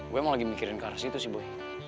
gue emang lagi mikirin ke arah situ sih boy